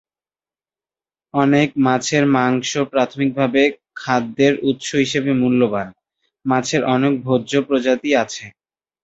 অনেক মাছের মাংস প্রাথমিকভাবে খাদ্যের উৎস হিসাবে মূল্যবান; মাছের অনেক ভোজ্য প্রজাতি আছে।